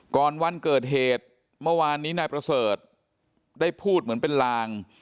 วันเกิดเหตุเมื่อวานนี้นายประเสริฐได้พูดเหมือนเป็นลาง